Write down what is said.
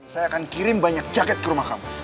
saya akan kirim banyak jaket ke rumah kamu